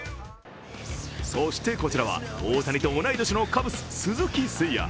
そして、こちらは大谷と同い年のカブス・鈴木誠也。